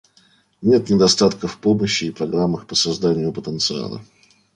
Нет недостатка в помощи и программах по созданию потенциала.